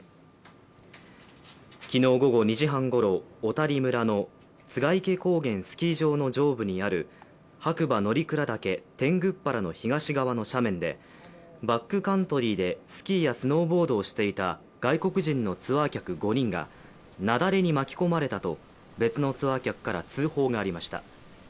昨日午後２時半ごろ、小谷村の栂池高原スキー場の上部にある白馬乗鞍岳天狗原の東側の斜面でバックカントリーでスキーやスノーボードをしていた外国人のツアー客５人が雪崩に巻き込まれたと別のツアー客から通報がありました。